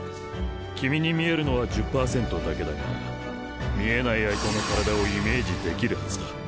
君に見えるのは１０％だけだが見えない相手の体をイメージできるはずだ。